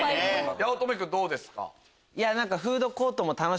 八乙女君どうですか？